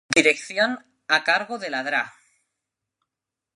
Dirección a cargo de la Dra.